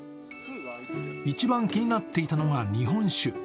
一番気になっていたのが日本酒。